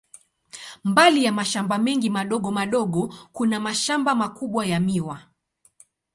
Mbali ya mashamba mengi madogo madogo, kuna mashamba makubwa ya miwa.